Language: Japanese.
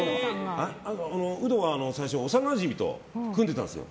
ウドは最初幼なじみと組んでたんですよ。